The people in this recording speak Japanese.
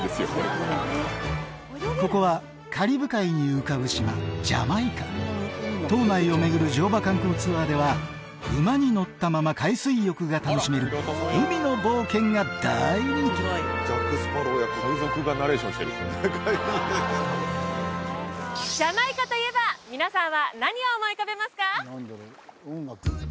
ここはカリブ海に浮かぶ島ジャマイカ島内を巡る乗馬観光ツアーでは馬に乗ったまま海水浴が楽しめる海の冒険が大人気皆さんは何を思い浮かべますか？